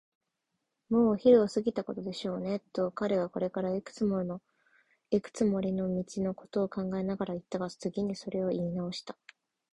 「もうお昼を過ぎたことでしょうね」と、彼はこれからいくつもりの道のことを考えながらいったが、次にそれをいいなおした。